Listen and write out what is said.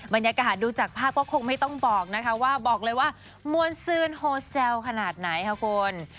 บรรยากาศดูจากภาพก็คงไม่ต้องบอกนะคะว่าบอกเลยว่ามวลซืนโฮแซลขนาดไหนค่ะคุณ